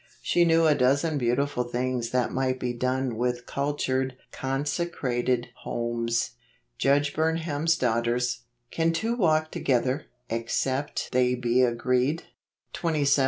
She knew a dozen beautiful things that might be done with cultured consecrated homes." Judge Burnham's Daughters. " Can tiro walk together , except they he agreed ?" 27.